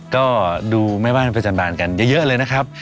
ก็ดูแม่บ้านประจำบานกันเยอะเลยนะครับ